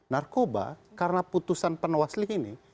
narkoba karena putusan panwaslih ini